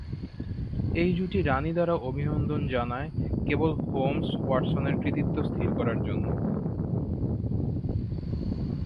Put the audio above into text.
এই জুটি রানী দ্বারা অভিনন্দন জানায়, কেবল হোমস ওয়াটসনের কৃতিত্ব স্থির করার জন্য।